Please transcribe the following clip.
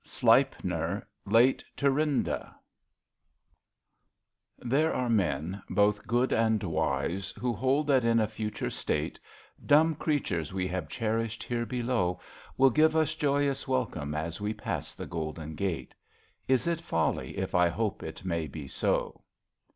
" "SLEIPNEE," LATE "THUEINDA" There are men, both, good and wise^ who hold that in a future state Dumb creatures we have cherished here below Will give us joyous welcome as we pass the Golden Gate. Is it folly if I hope it may be so?